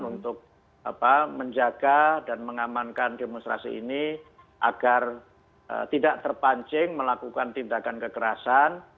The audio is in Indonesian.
untuk menjaga dan mengamankan demonstrasi ini agar tidak terpancing melakukan tindakan kekerasan